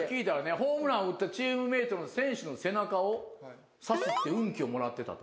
ホームラン打ったチームメートの選手の背中をさすって運気をもらってたと。